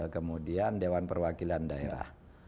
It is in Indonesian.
kemudian dewan perwakilan daerah